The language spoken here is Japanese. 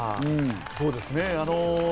そうですね。